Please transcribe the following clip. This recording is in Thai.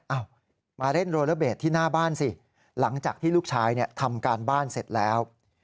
เอามาเล่นโรเลอเบสที่หน้าบ้านสิหลังจากที่ลูกชายทำการบ้านเสร็จแล้ว